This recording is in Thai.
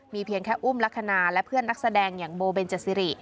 เพียงแค่อุ้มลักษณะและเพื่อนนักแสดงอย่างโบเบนเจซิริ